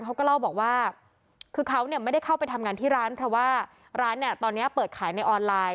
เขาก็เล่าบอกว่าคือเขาเนี่ยไม่ได้เข้าไปทำงานที่ร้านเพราะว่าร้านเนี่ยตอนนี้เปิดขายในออนไลน์